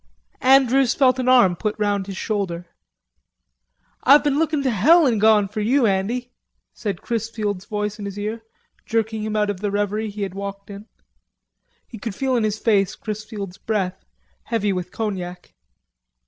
V Andrews felt an arm put round his shoulder. "Ah've been to hell an' gone lookin' for you, Andy," said Chrisfield's voice in his ear, jerking him out of the reverie he walked in. He could feel in his face Chrisfield's breath, heavy with cognac.